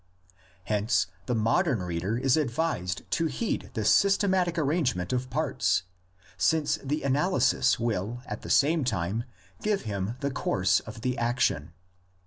Hence the mod ern reader is advised to heed the systematic arrange ment of parts, since the analysis will at the same time give him the course of the action.